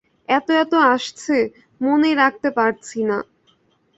এত এত আসছে, মনেই রাখতে পারছি না।